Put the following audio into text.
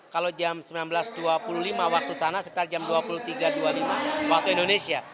kalau jam sembilan belas dua puluh lima waktu sana sekitar jam dua puluh tiga dua puluh lima waktu indonesia